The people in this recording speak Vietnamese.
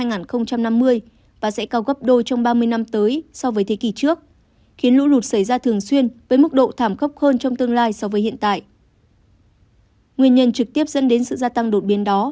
nguyên nhân trực tiếp dẫn đến sự gia tăng đột biến đó